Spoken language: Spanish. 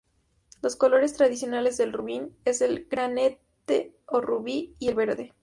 Los colores tradicionales del Rubín es el granate o rubí y el verde.